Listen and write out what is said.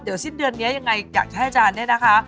เดี๋ยวสิ้นเดือนนี้ยังไงอยากจะให้อาจารย์เนี่ยนะคะ